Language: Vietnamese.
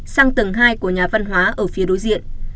sang tầng hai của nhà văn hóa ở phía đối diện